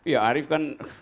iya arief kan